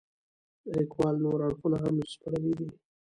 لیکوال نور اړخونه هم سپړلي دي.